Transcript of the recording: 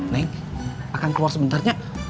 neng akan keluar sebenternya